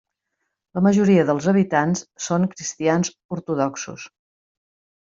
La majoria dels habitants són cristians ortodoxos.